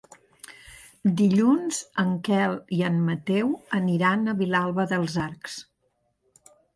Dilluns en Quel i en Mateu aniran a Vilalba dels Arcs.